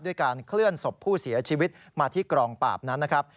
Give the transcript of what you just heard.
การเคลื่อนศพผู้เสียชีวิตมาที่กองปราบนั้นนะครับ